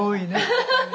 アハハハ。